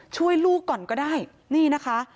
ช่วยลูกก่อนก็ได้นี่นะคะ